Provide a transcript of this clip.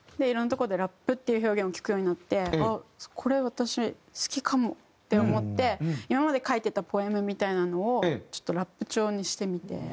いろんなとこでラップっていう表現を聴くようになってこれ私好きかもって思って今まで書いてたポエムみたいなのをちょっとラップ調にしてみて。